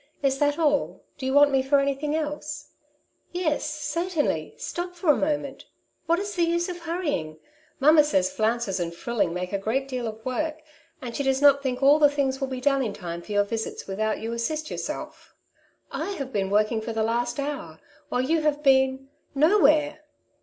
'^Is that all; do you want me for anything else ?" "Yes, certainly; stop for a moment; what is the use of hurrying ? Mamma says flounces and frilling make a great deal of extra work, and she does not think all the things will be done in time for your visits without you assist yourself. I have been work ing for the last hour, while you have been — no where."